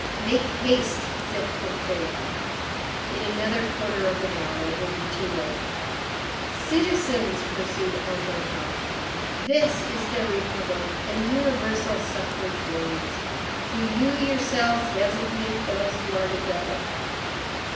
"Make haste," said Courfeyrac, "in another quarter of an hour it will be too late." "Citizens," pursued Enjolras, "this is the Republic, and universal suffrage reigns. Do you yourselves designate those who are to go."